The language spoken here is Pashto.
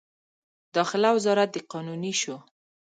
داخله وزارت د قانوني شو.